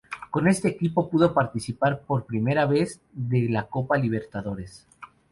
Con este equipo pudo participar por primera vez de la Copa Libertadores.